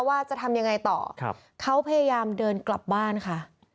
ว่าจะทำยังไงต่อเขาพยายามเดินกลับบ้านค่ะ